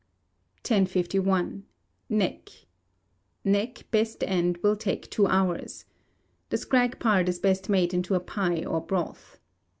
1051. Neck Neck, best end, will take two hours. The scrag part is best made into a pie or broth.